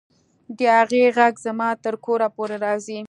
د هغې غږ زما تر کوره پورې راځي